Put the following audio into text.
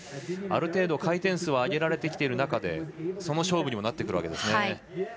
ある程度回転数を上げられてきている中でその勝負にもなるわけですね。